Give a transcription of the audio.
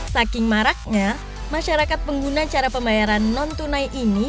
saking maraknya masyarakat pengguna cara pembayaran non tunai ini